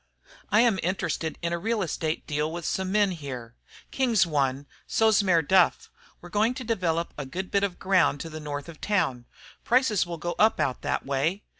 I am interested in a real estate deal with some men here. King's one, so's Mayor Duff. We're going to develop a good bit of ground to the north of town. Prices will go up out that way.